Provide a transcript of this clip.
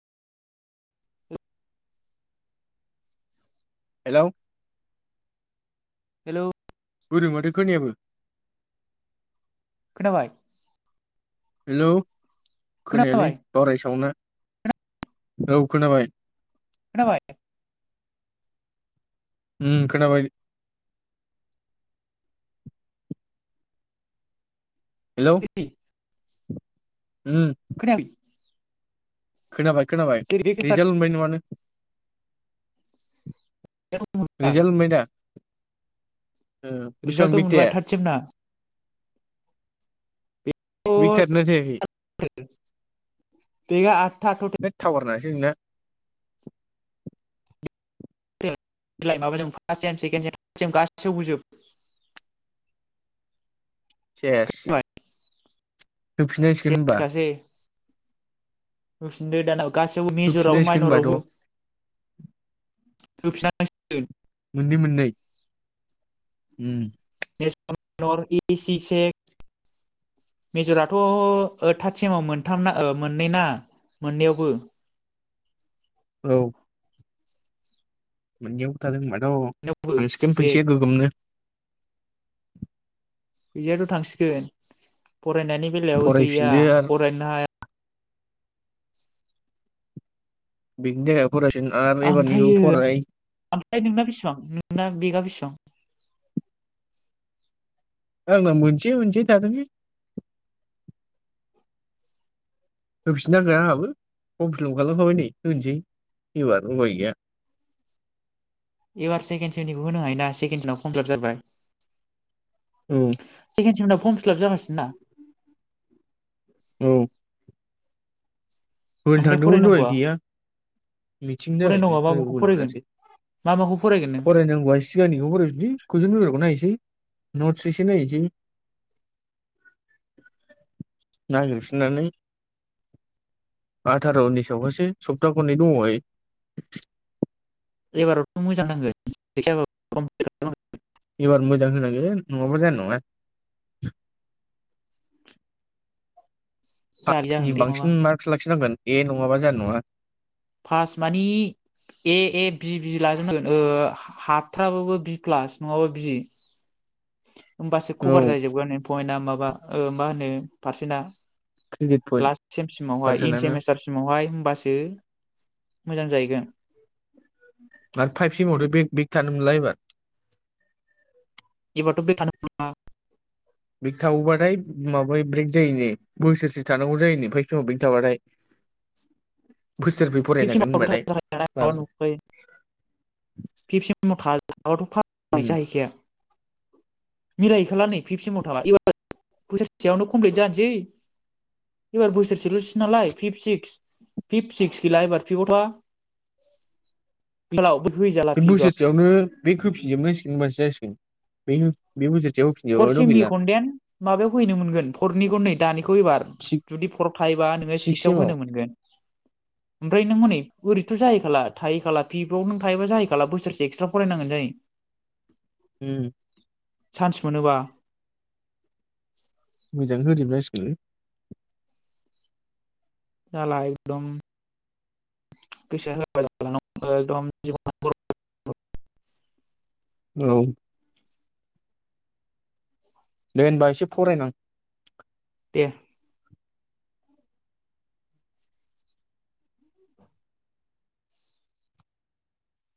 Hello hello बोरो माथो खोनायाबो खोनाबाय? हेलौ खोनायालै खोनाबाय बावराय सावोना औ खोनाबाय। खोनाबाय? उम खोनाबाय। हेलौ [unintelligible] उम खोनायाखै खोनाबाय। खोनाबाय जेरै बे रिजाल्ट मोनबाय नंङा पेपारनि मोनबाय रिजाल्ट मोनबायदा? रिजाल्टथ' मोनबाय थार्ड सेमना बिगथायानो जायाखै [unintelligible] बेकआ आत था होद टटेल [unintelligible] [unintelligible] फार्स्ट सेम सेकेणड सेम गासिबावबो जोब सेस होफिननांसिगोन होनबा? सेसखासै होफिनदो दाना गासैयावबो मेजरावबो होफिननांसिगोन होनबाथ' माइन'रावबो। होफिननांसिगोन मोननै मोननै मेजर इनर इ सि, सेक मेजराथ' ओ थार्द सेमाव मोनथामना ओ मोननै ना मोननैयावबो। औ मोननैयावबो थादों होमबा औ मोननैयावबो थांसिखोन बे फैसाया गोगोमनो। फैसायाथ' थांसिगोन। फरायनायनि बेलायाव गैया फरायफिनदो आरो फरायनोनो हाया। बिनि थाखाय आमफ्रायो आमफ्राय नोंना बिसिबां नोंना बे बेसेबां? ओ आंना मोनसे मोनसे थादों लै। होफिननांगोन आंहाबो फर्म फिलाप खालामखाबाय नै होनोसै एबार उफाय गैया। एबार सेकेण्ड सेमनिखौ होनो हायोना सेकेण्ड सेमाव कमप्लिट जाबाय। औ। सेकेण्ड सेमना फर्म फिलाप जागासिनो ना। औ। होनो ओमफ्राय थांदोंमोन दहाय फरायनांगौआ गैया मिथिंनि फरायनांगौआ मा थाखायनो माखौ होहोबोनो फरायगोन मोनासै मा माखौ फरायगोन नों फरायनांगौआ सिगांनिखौ फरायफिनसै कुइसन पेपारखौ नायनोसै नथ्स एसे नायनोसै नागिरफिननानै। आथार' उन्निस आवखासो सप्ता खनै दंबावखायो। एबाराव खम मोजां नांगोन फैसाखौ फर्म फिलाप खालाम एबार मोजां होनांगोन नङाबा जानाय नङा जालि पासनि जागोनलै नङाबा बांसिन मार्कस लाखिनांगोन। ए नङाबा जानाय नङा। फास मानि ए ए बि बि लाजोबनांगोन ओ हाथ्राबाबो बि प्लास नङाबा बि। होमबासो औ खबार जाहैजोबगोन पइन्टआ माबा ओ मा होनो पारसेन्टआ। क्रेडिट पइन्ट लास्ट सेम सिमावहाय इन पारसेन्टआनो सेमिस्टारसिमावहाय होमबासो मोजां जाहैगोन। आरो फाइभ सेम आवथ' बेक बेक था नो मोनला एबार इबारथ' बेक थानो मोनला। बेक थाबाव बाथाय माबायो ब्रेक जायोनो बोसोरसे थानांगौ जायोनो फाइभ सेमाव बेक थाबाथाय। बोसोरब्रै फिफ्थ फरायनांगोन सेमावथ' होनबाथाय थाजाखाया माबा बाबु। नुखायो फिफ्थ सेमाव उम [unintelligible] जाहैखाया। मिलायहैखाला नै फिफ्थ सेमाव थाबा एबार बोसोरसेयावनो कमप्लिट जानोसै एबार बोसोरसेल' सैनालाय फिफ्थ सिक्स, फिफ्थ सिक्स गौला एबार फिफ्थाव था [unintelligible] बे बोसोरसेयावनो। बेक होफिनजोबनांसिगोन होनबासो जासिगोन बेक हो बे बोसोर फर सेमनिखौनडेन माबायाव होहैनो मोनगोन फरनिखौ नै दानिखौ एबार जुदि फरआव थायोबा नोङो सिक्स सिक्सआव सेमाव होनो मोनगोन ओमफ्राय नों हनै ओरै थ' जाहैखाला थाहैखाला फिफ्थाव नों थायोबा जाहैखाला बोसोरसे एक्सट्रा फरायनांगोन जायो। उम चान्स मोनोबा मोजाङै होजोबनांसिगोनलै। जाला एदम गोसोआ होआबा जाला नङाबा एगदम जिबनाउ बरबाद औ दे होनबा एसे फरायनां। दे